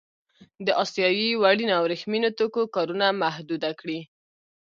د اسیايي وړینو او ورېښمينو توکو کارونه محدوده کړي.